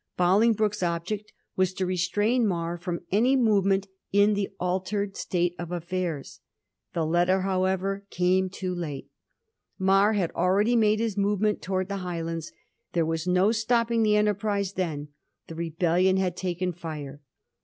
Bolingbroke's object was to restrain Mar from any movement in the altered state of aflFairs. The letter, however, came too late. Mar had already made his movement towards the Highlands : there was no stopping the €nterprise then — the rebellion had taken fire.